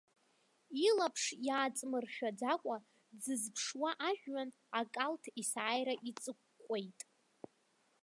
Илаԥш иааҵмыршәаӡакәа дзызԥшуа ажәҩан, акалҭ есааира иҵыкәкәеит.